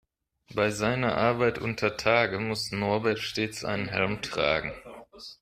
Bei seiner Arbeit untertage muss Norbert stets einen Helm tragen.